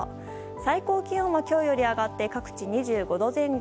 最高気温は今日より上がって各地２５度前後。